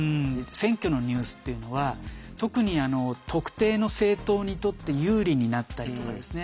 選挙のニュースっていうのは特に特定の政党にとって有利になったりとかですね